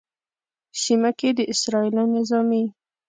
سیمه کې د اسرائیلو نظامي